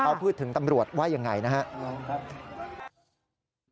เขาพูดถึงตำรวจว่ายังไงนะครับ